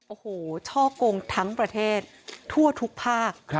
โอ้โหช่อกงทั้งประเทศทั่วทุกภาค